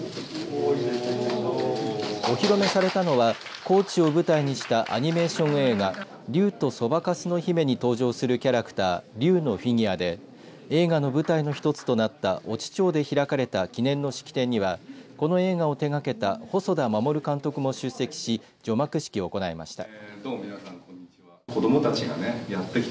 お披露目されたのは高知を舞台にしたアニメーション映画竜とそばかすの姫に登場するキャラクター、竜のフィギュアで映画の舞台の１つとなった越知町で開かれた記念の式典にはこの映画を手がけた細田守監督も出席し除幕式を行いました。